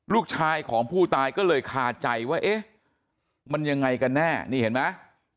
ลูกชายของผู้ตายก็เลยคาใจว่าเอ๊ะมันยังไงกันแน่นี่เห็นไหม